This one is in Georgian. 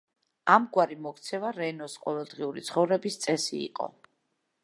ამგვარი მოქცევა რენოს ყოველდღიური ცხოვრების წესი იყო.